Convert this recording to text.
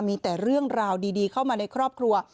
มีแต่เรื่องราวดีเข้ามาในครอบครัว